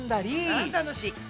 あ楽しい。